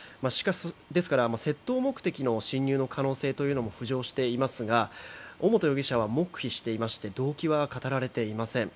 ですから窃盗目的の侵入の可能性というのも浮上していますが尾本容疑者は黙秘していまして動機は語られていません。